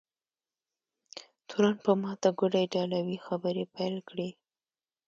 تورن په ماته ګوډه ایټالوي خبرې پیل کړې.